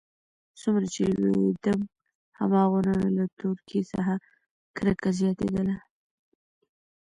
څومره چې لوېيدم هماغومره مې له تورکي څخه کرکه زياتېدله.